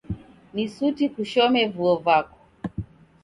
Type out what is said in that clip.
Ni suti kushome vuo vako.